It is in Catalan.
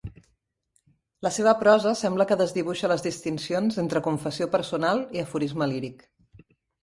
La seva prosa sembla que desdibuixa les distincions entre confessió personal i aforisme líric.